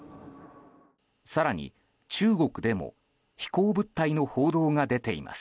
更に、中国でも飛行物体の報道が出ています。